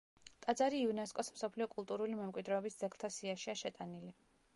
ტაძარი იუნესკოს მსოფლიო კულტურული მემკვიდრეობის ძეგლთა სიაშია შეტანილი.